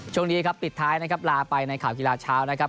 ช่วงนี้ครับปิดท้ายนะครับลาไปในข่าวกีฬาเช้านะครับ